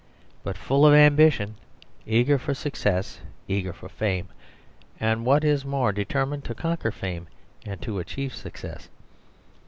But full of 'ambition,' eager for success, eager for fame, and, what is more, determined to conquer fame and to achieve success."